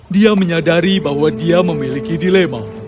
dia menyadari bahwa dia memiliki dilema